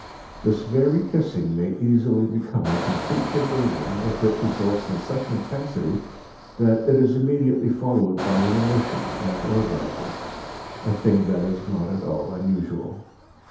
This very kissing may easily become a complete perversion if it results in such intensity that it is immediately followed by an emission and orgasm a thing that is not at all unusual.